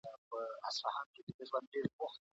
پانګوال نظام د اخلاقي زوال لامل سوی دی.